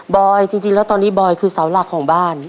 อยจริงแล้วตอนนี้บอยคือเสาหลักของบ้าน